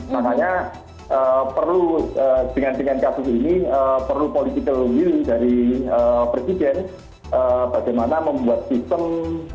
makanya perlu dengan kasus ini perlu political will dari presiden bagaimana membuat sistem